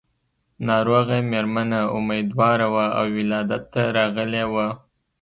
ناروغه مېرمنه اميدواره وه او ولادت ته راغلې وه.